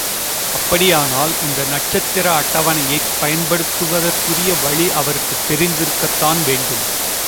அப்படியானால், இந்த நட்சத்திர அட்டவணையைப் பயன்படுத்துவதற்குரிய வழி அவருக்குத் தெரிந்திருக்கத்தான் வேண்டும்.